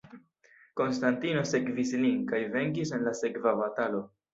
Konstantino sekvis lin, kaj venkis en la sekva batalo.